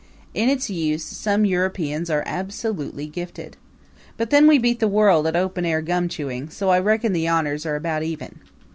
In its use some Europeans are absolutely gifted. But then we beat the world at open air gum chewing so I reckon the honors are about even.